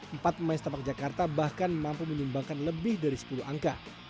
empat pemain sepak jakarta bahkan mampu menyumbangkan lebih dari sepuluh angka